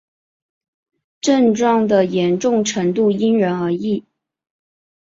症状的严重程度因人而异。